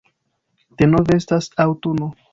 Denove estas aŭtuno.